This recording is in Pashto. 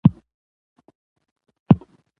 په هر کچ روان دى.